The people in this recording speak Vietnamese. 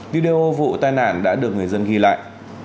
video vụ tai nạn đã được người dân ghi lại